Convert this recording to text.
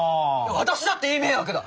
私だっていい迷惑だ！